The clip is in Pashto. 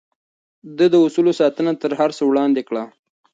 ده د اصولو ساتنه تر هر څه وړاندې کړه.